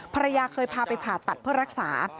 ภรรยาเคยพาไปผ่าตัดเพื่อรักษา